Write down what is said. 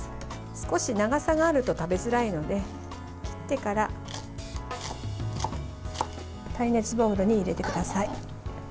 少し長さがあると食べづらいので切ってから耐熱ボウルに入れてください。